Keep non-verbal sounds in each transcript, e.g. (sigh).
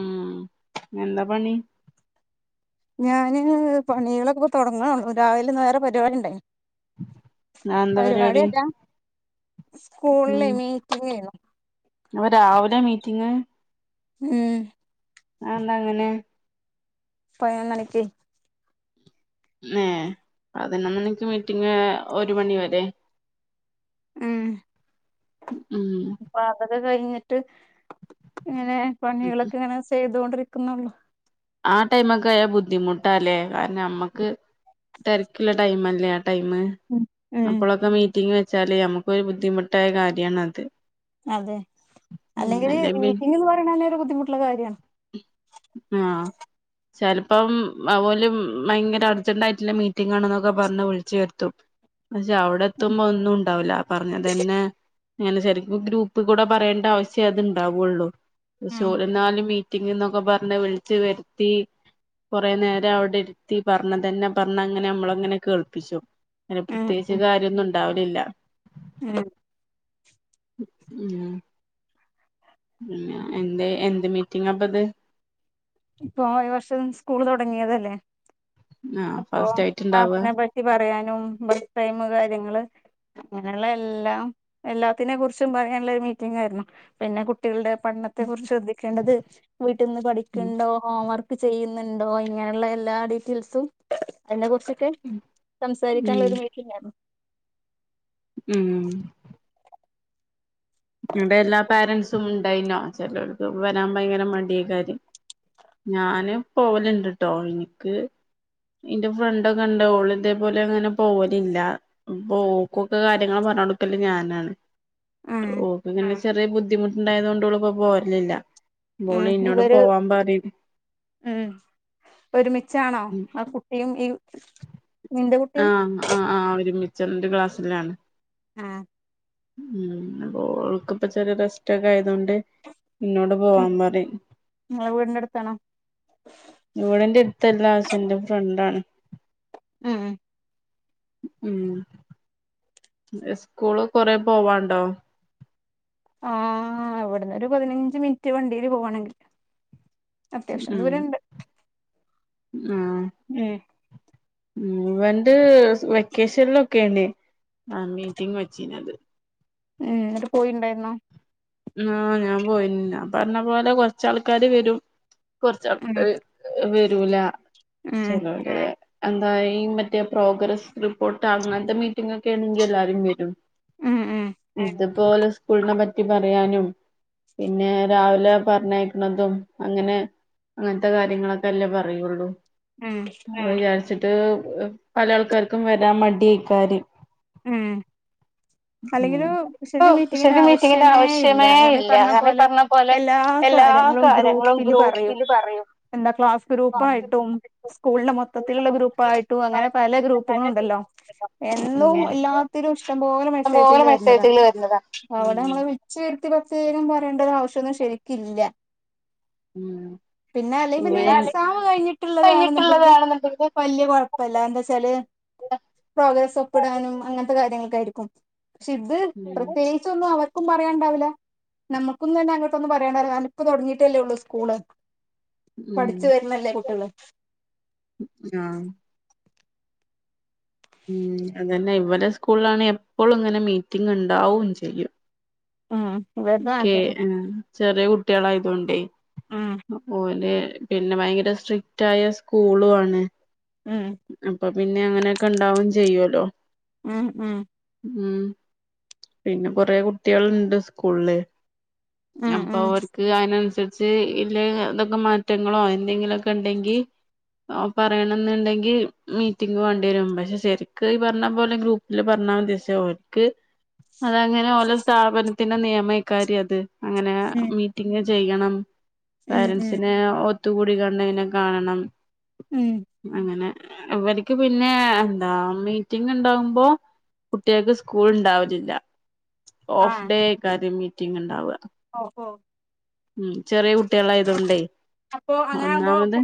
ഉം എന്താ പണി? ഞാന് പണികളൊക്കെ തുടങ്ങാണു. രാവിലെ വേറെ പരിപാടിണ്ടെ. പരിപാടില്ല. സ്കൂളില് മീറ്റിംങ്ങയ്നു. പ്പ രാവിലെ മീറ്റിങ് ഉം ആന്താ അങ്ങനെ? പയിനൊന്നണിക്ക് ഏ പതിനൊന്നു മണിക്ക് മീറ്റിംങ്ങ് ഒരു മണിവെരെ. ഉം ഉം കഴിഞ്ഞിട്ട് ഇങ്ങനെ പണികളൊക്കങ്ങനെ സെയ്തൊണ്ടിരിക്കുന്നുള്ളൂ ആ ടൈമെക്കെയാ ബുദ്ധിമുട്ടാല്ലേ കാരണം നമ്മക്ക് തെരക്കൊള്ള ടൈമല്ലേ. ടൈമ് അപ്പളക്കെ മീറ്റിംഗ് വെച്ചാല് നമ്മുക്കൊരു ബുദ്ധിമുട്ടായ കാര്യണത്. അതെ അല്ലെങ്കിൽ മീറ്റിങ്ങെന്ന് പറയണന്നെരു ബുദ്ധിമുട്ടുള്ള കാര്യണ്. ആ ചെലപ്പം അ ഓലും ഭയങ്കര അർജന്റായിയിട്ടുള്ള മീറ്റിങ്ങാണെന്നൊക്കെ പറഞ്ഞ് വിളിച്ചു വര്ത്തും. പക്ഷെ അവടെത്തുമ്പോ ഒന്നും ഉണ്ടാവില്ല. പറഞ്ഞതന്നെ. അങ്ങനെ ഷെരിക്കും ഗ്രൂപ്പിക്കൂടെ പറയേണ്ട ആവശ്യം അത്ണ്ടാവുള്ളൂ. പക്ഷൊരെന്നാലും. റ്റിന്നൊക്കെ പറഞ്ഞ് വിൾച്ച് വര് ത്തി. കെറെ നേരം അവിടെരുത്തി പറഞ്ഞത്തന്നെ പറഞ്ഞങ്ങനെ നമ്മളങ്ങനെ കേൾപ്പിച്ചു. അങ്ങനെ പ്രത്യേകിച്ച് കാര്യോ ന്നൊണ്ടാവലില്ല. ഏ ഉം പിന്നെയെന്തേ എന്ത് മീറ്റിങ്ങാപ്പത്? ഇപ്പൊ ഈ വർഷം സ്കൂള് തൊടങ്ങിയതല്ലേ. അപ്പൊ ക്ലാസ്സിനെ പറ്റി പറയാനും ബസ് ടൈമ് കാര്യങ്ങള്. അങ്ങനെയൊള്ള എല്ലാം എല്ലാത്തിനെക്കുറിച്ചൊള്ള പറയാനുള്ളൊരു മീറ്റിങ്ങായിരുന്നു പിന്നെ കുട്ടികളുടെ പഠനത്തെക്കുറിച്ച് ശ്രദ്ധിക്കേണ്ടത് വീട്ടിൽ നിന്ന് പഠിക്കുണ്ടോ ഹോംവർക്ക് ചെയ്യുന്നുണ്ടോ ഇങ്ങനെയൊള്ള എല്ലാ ഡീറ്റെയിൽസും അയി നെക്കുറിച്ച് സംസാരിക്കാനൊള്ളൊരു മീറ്റിങ്ങായിരുന്നു. ഉം ന്നിട്ട് എല്ലാ പേരൻസും ഉണ്ടായിനോ ചെലർക്ക് വെരാൻ ഭയങ്കര മടിയെക്കാരം ഞാന് പോവല്ണ്ട്ട്ടോ എനിക്ക്. ഇന്റെ ഫ്രണ്ടൊക്കെ കണ്ടോളിന്റെ ഇതേപോലെങ്ങനെ പോവലില്ല. അ പ്പൊക്കൊക്കെ കാര്യങ്ങള് പ റഞ്ഞൊടുക്കല് ഞാനാണ്. ഓൾക്ക് ഇങ്ങനെ ചെറിയ ബുദ്ധിമുട്ടുണ്ടായത് കൊണ്ട് ഓ ളിപ്പോ പോരലില്ല. ഓള് ഇന്നോട് പോവാൻ പറിം. ഉം ഒരുമിച്ചാണോ ആ കുട്ടിയും ഈ ആ ആ ആ ഒരുമിച്ചാണ്. ഒരു ക്ലാസ്സിലാണ്. ആ ഉം ഓൾക്കിപ്പ ചെറിയ റെസ്റ്റാക്കെയാതൊണ്ട് ഇന്നോട് പോവാൻ പറിം. ഇവിടെന്റെടുത്തല്ല. പക്ഷേ ന്റെ ഫ്രണ്ടാണ്. ഉം ഉം മ് സ്കൂള് കൊറെ പോവാണ്ടോ? ആ ഇവ്ടന്ന് ഒരു പതിനഞ്ച് മിനിറ്റ് വണ്ടിയില് പോകാണെങ്കി അത്യാവശ്യം ദൂരണ്ട്. ആ ഉ ഇവണ്ട് വെക്കേഷനിലൊക്കെയണേ ആ മീറ്റിംഗ് വെച്ചീന്നത്. ഏ ഇങ്ങട്ട് പോയിണ്ടായിരുന്നോ ആ ഞാൻ പോയിന്ന പറഞ്ഞ പോലെ കൊറച്ച് ആൾക്കാര് വരും. കൊറച്ചാൾക്കാര് വരൂല ചെലോല് എന്തായി മറ്റേ പ്രോഗ്രസ് റിപ്പോർട്ട് അങ്ങനത്തെ മീറ്റിംഗ് ഒക്കെ ആണെങ്കി എല്ലാരും വരും. ഇത്പോലെ സ്കൂളിനെ പറ്റി പറയാനും പിന്നെ രാവിലെ പറഞ്ഞയക്കുന്നതും അങ്ങനെ അങ്ങനത്തെ കാര്യങ്ങളൊക്കെ അല്ലേ പറയുള്ളൂ ആ വിചാരിച്ചിട്ട് പല ആൾക്കാർക്കും വരാൻ മടി കാര്യം ആ അല്ലെങ്കിലും ശരിക്കും മീറ്റിങ്ങിന്റെ ആവശ്യമേ ഇ കാരണം ഈ പറഞ്ഞ പോലെ എല്ലാ കാര്യങ്ങളും ഗ്രൂപ്പില് പറയും എന്താ ക്ലാസ് ഗ്രൂപ്പായിട്ടും സ്കൂളിന്റെ മൊത്തത്തിലുള്ള ഗ്രൂപ്പായിട്ടും അങ്ങനെ പല ഗ്രൂപ്പുകളും ഉണ്ടല്ലോ എന്നും ഇല്ലാത്തിനും ഇഷ്ട പോലെ മെസ്സേജുകള് വരുന്നതാ അവിടെ നമ്മള് വെച്ച പറയേണ്ട ഒരു ആവശ്യൊന്നും ശരിക്കില്ല ഉം പിന്നെ അല്ലെ പിന്നെ എക്സാം കഴിഞ്ഞിട്ടുള്ളതാണെന്നുണ്ടെങ്കില് വലിയ കുഴപ്പല്ല എന്താ വച്ചാല് പ്രോഗ്രസ് ഒപ്പിടാനും കാര്യങ്ങൊക്കെ ആയിരിക്കും പക്ഷെ ഇത് പ്രത്യേകിച്ചൊന്നും അവർ നും പറയണ്ടാവില്ല നമ്മുക്കൊന്നും തന്നെ അങ്ങോട്ടൊന്നും പറയണ്ടാവില്ല അ ഇപ്പ തുടങ്ങിട്ടല്ലേ ഉള്ളൂ സ്കൂള് പഠിച്ചു വരുന്നല്ലേ കുട്ടികള് ഉം അതന്നെ ഇവിടെ സ്കൂളിലാണെ എപ്പോളും ഇങ്ങനെ മീറ്റിംഗ ഇണ്ടാവും ചെയ്യും ഉം വെത നല്ലയാ ചെറിയ കുട്ടികളായതൊണ്ടേ ഓല് പിന്നെ ഭയങ്കര സ്ട്രിക്റ്റായ സ്കൂളും ആണ് ഉം പിന്നെ അങ്ങനെയൊക്കെ ഇണ്ടാവും ചെയ്യുവല്ലോ ഉം ഉം ഉം പിന്നെ കൊറെ കുട്ടികള്ണ്ട് സ്കൂളില് അപ്പൊ അവർക്ക് അതിനനനുസരി ച്ച് ഇല്ല അതൊക്കെ മാറ്റങ്ങളോ എന്തെങ്കിലൊക്കെ ഇണ്ടെങ്കി ആ പറയണന്നുണ്ടെങ്കി മീറ്റിംഗ് വേണ്ടി വരും പക്ഷെ ശരിക്ക് ഈ പറഞ്ഞ പോലെ ഗ്രൂപ്പില് പറഞ്ഞ ഒന്നാമതേ (unintelligible) ഓൽക്ക് അത അങ്ങനെ ഓലോ സ്ഥാപനത്തിന്റെ നിയമക്കാര്യം അത് അങ്ങനെ മീറ്റിംഗ് ചെയ്യണം പേരൻസിനെ ഒത്തുകൂടി കണ്ടനെ കാണണം അങ്ങനെ ഇവർക്ക് പിന്നെ എന്താ മീറ്റിംഗ ഇണ്ടാവുമ്പോ കുട്ടികൾക്ക് സ്കൂൾ ഇണ്ടാവില്ല ഓഫ് ഡേ കാര് മീറ്റിംഗ് ഇണ്ടാവുക മ് ചെറിയ കുട്ടികളായതൊണ്ടേ ഒന്നാമത്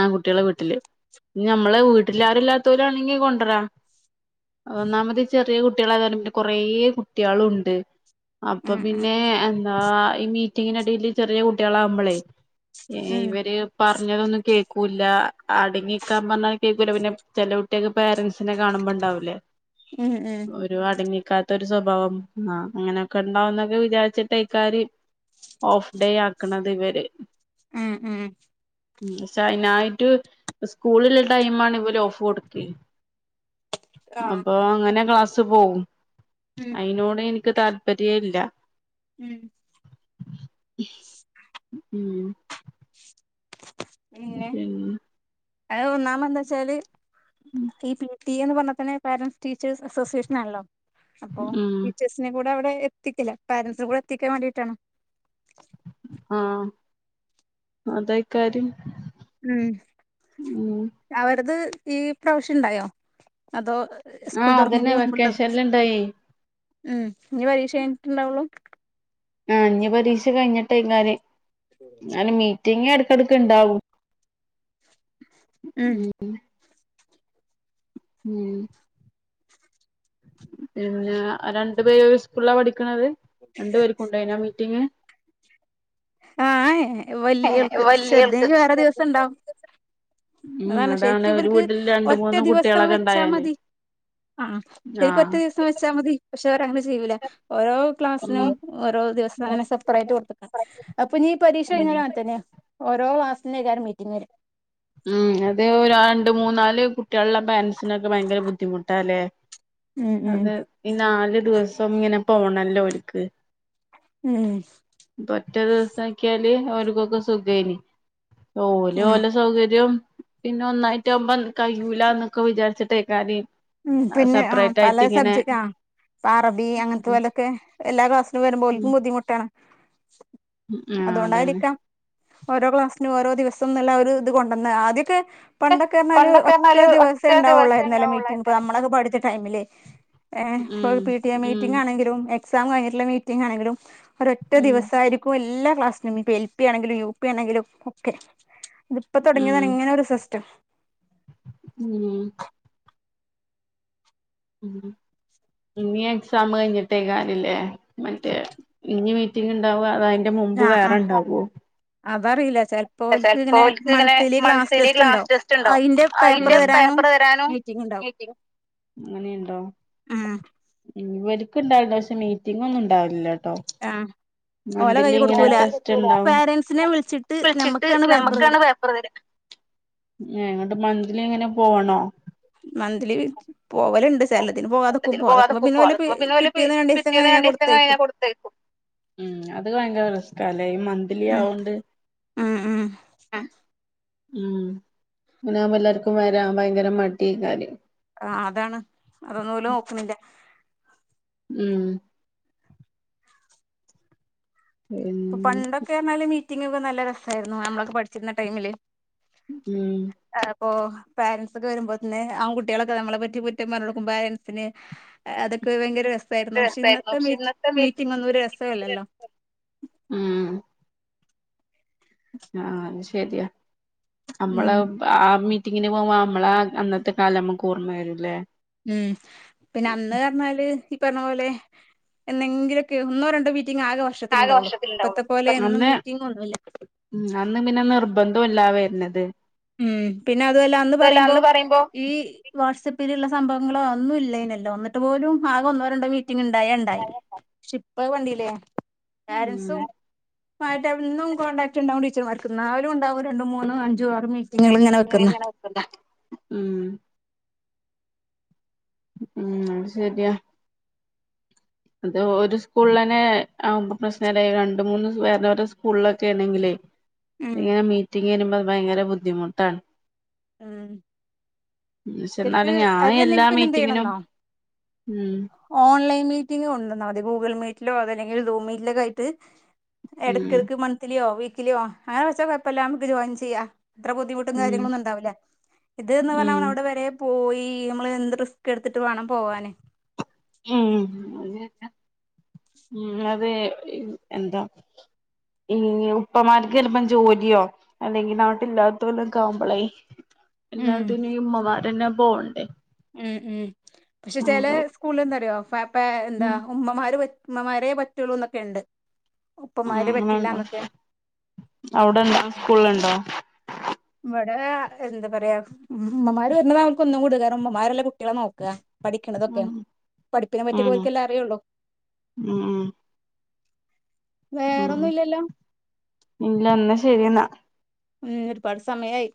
ആ കുട്ടികളെ വീട്ടില് ഇ ഞമ്മളെ വീട്ടില് ആരുല്ലാത്തവരാണെങ്കി കൊണ്ടുവരാ ഒന്നാമത് ചെറിയ കുട്ടികളായതാരണം കൊറേ കുട്ടികളുണ്ട് അപ്പൊ പിന്നെ ആ ഈ മീറ്റിങ്ങിനെടയില് ചെറിയ കുട്ടികളാമ്പളെ ഏ ഇവര് പറഞ്ഞതൊന്ന് കേക്ക ക്കൂല് അടങ്ങിക്കാൻ പറഞ്ഞാൽ കേൾക്കൂല പിന്നെ ചെല കുട്ടിയക്ക് പേരൻസിനെ കാണുമ്പോ ഇണ്ടാവൂലേ ഒരു അടങ്ങി ക്കാത്തൊരു സ്വഭാവം ആ അങ്ങനെയൊക്കെ ഇണ്ടാവന്നൊക്കെ വിചാരിച്ചിട്ട് ഇക്കാര് ഓഫ് ഡേ ആക്കണത് ഇവര് ഉം ഉം ഉം പക്ഷെ അയിനായിട്ട് സ്കൂളിള്ള ടൈ ആണേ ഇവര് ഓഫ് കൊടുക്കേന് അപ്പൊ അങ്ങനെ ക്ലാസ്സ് പോകും അയിനോട്‌ എനിക്ക് ക്ക് താല്പര്യ ഇല്ല ഉം ഉം പിന്നെ അഹ് ഒന്നാമന്താവെച്ചാല് ഈ പി ടീ എന്ന് പറഞ്ഞാ തന്നെ പാരന്റ്സ് ടീച്ചേഴസ് അസോസിയേഷൻ ആണല്ലോ. അപ്പോ ടീച്ചേഴ്സിനെ കൂ തെവിടെ എത്തിക്ക് ല്ല പാരൻറ്സിനെ കൂടെ എത്തിക്കാൻ വേണ്ടീട്ടാണ്. ആഹഹ് അതയി കാര്യം. ഉം അവരത് ഈ പ്രാവശ്യണ്ടായോ? അതോ സ്കൂൾ തൊർന്നിന്റെ (unintelligible) ഉം ഞ് പരീക്ഷെയ്ഞ്ഞിട്ടുണ്ടാവുള്ളൂ ആഹ് ഞ് പരീക്ഷ കഴിഞ്ഞിട്ടെയ്ങ്ങാര് ന്നാലും മീ റ്റിങ് എടക്കടക്ണ്ടാവു ഉം ഉം പിന്നെ അഹ് രണ്ടു പേര് ഒരു സ്കൂളാ പഠിക്ണത്? രണ്ടു പേർക്കുംണ്ടായ്ഞൊ മീറ്റിങ്? ആഹ് ഏ വലിയൾക്ക് ചെറുതിന് വേറെ ദിവസണ്ടാവും അതാണ് ശരിക്കും ഇവർക്ക് ഒറ്റ ദിവസം വെച്ചാ മതി അ ആഹ് ശരിക്കും ഒറ്റ ദിവസം വെച്ചാൽ മതി പക്ഷേ അവരങ്ങനെ ചെയ്യൂല ഓരോ ക്ലാസ്സിനും ഓരോ ദിവസം അങ്ങനെ സപ്പറേറ്റ് വെക്കും അപ്പൊനി പരീക്ഷ കഴിഞ്ഞാലും അങ്ങനെതന്നെയാ ഓരോ മാസ്ത്തിനയ്ക്കാരം മീറ്റിംഗങ് വരാ ഉം അത് ഒരു രണ്ട് മൂന്നനാല് കുട്ടികളുടെ പാരൻറ്സിനൊക്കെ ഭയങ്കര ബുദ്ധിമുട്ടാല്ലേ അതേ ഈ നാല് ദിവസം ഇങ്ങനെ പോണല്ലോ ഓല്ക്ക് ഉം ഒറ്റ ദിവസാക്കിയാല് ഓര്ക്കോക്കെ സുഖയ്ന് ഓല് ഓലെ സൗകര്യ രും പിന്നെ ഒന്നായിറ്റാവുമ്പം കയ്യൂലാന്നൊക്കെ വിചാരിച്ചിട്ടെയ്ക്കാരെയ് ഉം പിന്നെ ആ പല സബ്ജ ആഹ് ഇപ്പൊ അറബി അങ്ങൻത്തെ പോലെയൊക്കെ എല്ലാ ക്ലാസ്സിനും വരുമ്പൊ ഓൽക്കും ബുദ്ധിമുട്ടാണ് ഉം ആഹ് അതന്നെ ഓരോ ക്ലാസ്സിനും ഓരോ ദിവസംന്ന്ള്ള ഒരു ഇത് കൊണ്ടന്ന് ആദ്യൊക്കെ പണ്ടൊക്കെ പറഞ്ഞാല് ഒറ്റ ദിവസം ഉണ്ടാവുള്ളായിരുന്നല്ലോ മീറ്റി റ്റിംഗ് ഇപ്പൊ നമ്മളൊക്കെ പഠിച്ച ടൈമിലെയ് ഏ പള് പി ടി എ മീറ്റിങാണെങ്കിലും എക്സാം കഴിഞ്ഞിട്ടുള്ള മീറ്റിംങ്ങാണെങ്കിലും ഒരൊറ്റ ദിവസമായിരിക്കും എല്ലാ ക്ലാസിനും എൽ പി ആണെങ്കിലും യു പി ആണെങ്കിലും ഒക്കെ ഇതിപ്പോ തൊടങ്ങിയതാണ് ഇങ്ങനെ ഒരു സിസ്റ്റം ഉം ഉം ഇഞ്ഞി എക്സാമ് കഴിഞ്ഞിട്ടേക്കാരംല്ലേ മറ്റേ ഇനി മീറ്റിംങ്‌ ഇണ്ടാവ അതാ ന്റെ മുമ്പ് വേറെണ്ടാവോ അതറിയില്ല ചെൽപ്പോൽക്ക്ങ്ങനെ മന്ത്‌ലി ക്ലാസ് ടെസ്റ്റ്ണ്ടാവും അതിന്റെ പേപ്പർ തരാനും മീറ്റി മീറ്റിങ്ങുണ്ടാവും അങ്ങനെയുണ്ടോ ഇവർക്കും ഇണ്ടാവില്ലണ്ട് പക്ഷെ മീറ്റിങ്‌ ഒന്നും ഇണ്ടാവിലില്ല- ട്ടോ മന്ത്‌ലി ഇങ്ങനെ ടെസ്റ്റ് ഉണ്ടാവും- വെച്ചിട്ട് ഞമ്മക്ക് അന്നേ പേപ്പർ തരും മ് അത് കൊണ്ട് മന്തിലി ഇങ്ങനെ പോണോ? മന്ത്ലി പോവലുണ്ട്- ചെലതിന് പോകാതക്കുമ്പോ പോവാതുക്കുമ്പോ പിന്നെ ഓല് പിറ്റിന്ന് രണ്ട് ദിവസം കഴിഞ്ഞാ കൊടുത്തയക്കും- ഉം അത് ഭയങ്കര റിസ് ക്കാ ലെ ഇ മന്ത്ലി ആവണ്ട് ആഹ് - ഉം ഇങ്ങനെ ആകുമ്പംഎല്ലാർക്കും വരാ ഭയങ്കര മടീംകാര്യം- ആഹ് അതാണ് അതൊന്നും പോലും നോക്കുന്നില്ല- മ്ഹ് - ഇപ്പൊ പണ്ടൊക്കെ പറഞ്ഞാല് മീറ്റിങ്ങൊക്കെ നല്ല രസമായിരുന്നു നമ്മളൊക്കെ പഠിച്ചിരുന്ന ടൈമില്- അപ്പോ- പാരൻറ്സ് ഒക്കെ വരുമ്പോ തന്നെ ആൺ കുട്ടികളൊക്കെ നളെ പറ്റി കുറ്റം പറഞ്ഞോട്ക്ക്പേന് പാരറൻസിന് അതൊയങ്കര- രസായിരുന്നു പക്ഷെ ഇന്നത്തെ മ മീറ്റിംഗ ഒന്നും ഒരു രസല്ലല്ലോ ഉം ആഹ അത് ശരിയാ നമ്മള് ആ കുറ്റിങ്ങിെ പോക്പ നമ്മളാ അന്നത്തെ കാല നമ്മക്ക് ഓർമ്മ വരൂല്ലേ ഉം പിന്നെ അന്ന് പറഞ്ഞാല് പറഞ്ഞ പോലെ എന്തെങ്കിലുമൊക്കെ ഒന്നോ രണ്ടോ വീ മീറ്റി ആകെ വർഷത്തി ഉണ്ടാവുള്ളു ഇപ്പത്തെ പോലെ എന്നും മീറ്റിംഗ ഒന്നുമല്ല തല്ല വരുന്നത് ഉം പിന്നെ അതുമല്ല അന്ന് പറയുമ്പോ ഈ വാട്സപ്പിലുള്ള സംഭവങ്ങളോ ഒന്നും ഇല്ലനല്ലോ ഒന്നിട്ട് പോലും ആകെ ഒന്നോ രണ്ടോ മീറ്റിംഗ ഉണ്ട ഉണ്ടായി പക്ഷെ ഇപ്പ വണ്ടീല്ലേ പാരൻസും ആയിട്ട്ന്നും കോണ്ടാക്ട് ഉണ്ടാവും ടച്ചർുന്നാവും ഉണ്ടാവും രണ്ട മൂന്നന്ന് അഞ്ച ങ്ങള ഇങ്ങനെ വെക്കുന്ന ഉം ഉം അത് ശരിയാ അത് ഒരു സ്കൂളന്നെ ആുമ പ്രശ്നല്ല രണ്ട മൂന്ന് വേറവരുടെ സ്കൂളിലൊക്കെ ആണെങ്കിലേ ഇങ്ങനെ മീറ്റിങ് വരുമ്പോ അത് ഭയങ്കര ബുദ്ധിമുട്ടാണ് ആഹ ശരിക്ക് അതല്ലെങ്കിൽ പിന്നെന്ത് ചെയ്യണംെന്നോ ഓൺലൈ കൊണ്ടാൽ മെ ഗൂഗിൾ മീറ്റിലോ അല്ലെങ്കിൽ ോ മീറ്റിലോക്ക ആയിട്ട് ഇടയ്ക്കിടക്ക് മന്ത്ലിയോ വീക്കലിയോ അങ്ങനെ വെച്ച കുഴപ്പമല്ല നമുക്ക് ജോയിൻ ചെയ്യാം ഇത്ര ബുദ്ധിമുട്ടും കാര്യങ്ങള ഒന്നുംണ്ടാവില്ലേ ഇത്ന്ന് പറഞ്ഞ അവിടെ വരെ പോയി നമ്മള് എന്ത് റിസ്ക് എടുത്തിട്ട് വേണം പോവാന് ഉം അത ഉ അതെ എന്താ ഉപ്പമാർക്ക് ചിലപ്പം ജോലിയോ അല്ലെങ്കിൽ നങ്ങോട്ട ഇല്ലാത്ത പോല്ല ഒക്കെ ആവുമ്പോളേ എല്ലാത്തിനി ഉമ്മമാരന്നെ പോവണ്ടേ ഉം ഉ പക്ഷ ചില സ്കൂള എന്താറിയോ എന്താ ഉമ്മമാര് വരേ പറ്റുള്ളൂന്നൊക്കെുണ്ട് അങ്ങനെണ്ടോ അവിടെണ്ടോ സ്കൂളുണ്ടോ അടെ എന്താ പറയാ ഉമ്മമാര് വര നമുക്ക് ഒന്നും കൊടുക്കാര ഉമ്മമാരെല്ലാം കുട്ടികളെ നോക്കുക പഠിക്കണതൊക്കെയ പഠിപ്പിനെ പറ്റിയ പോലക്ക എല്ലാം അറിയുള്ളൂ ഉം ഇല്ല ഒന്ന്ാ ശരിയ എന്നാ ഉ ഒരുപാട് സമയായി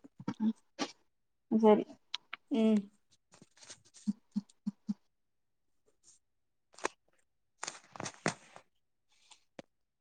ശരി ഉം